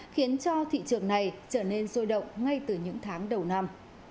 khiến cho thị trường này trở nên sôi động ngay từ những tháng đầu năm